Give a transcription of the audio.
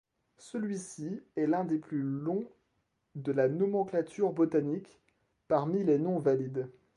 Celui-ci est l'un des plus longs de la nomenclature botanique, parmi les noms valides.